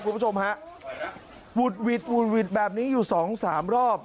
คุณผู้ชมฮะวุดหวิดวุดหวิดแบบนี้อยู่สองสามรอบ